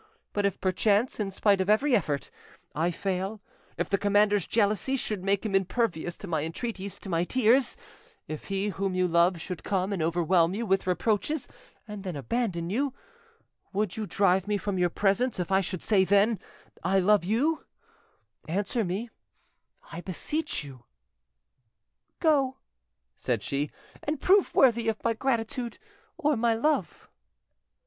But if perchance, in spite of every effort, I fail, if the commander's jealousy should make him impervious to my entreaties—to my tears, if he whom you love should come and overwhelm you with reproaches and then abandon you, would you drive me from your presence if I should then say, 'I love you'? Answer me, I beseech you." "Go!" said she, "and prove worthy of my gratitude—or my love."